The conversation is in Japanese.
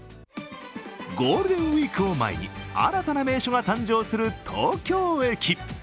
ゴールデンウイークを前に新たな名所が誕生する東京駅。